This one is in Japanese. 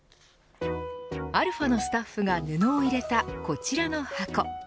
αのスタッフが布を入れたこちらの箱。